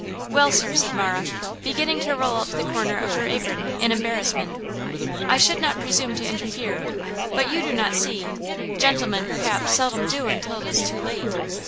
"Well, sir," said Marah, beginning to roll up the corner of her apron, in her embarrassment, "I should not presume to interfere, but you do not see; gentlemen, perhaps, seldom do until it is too late."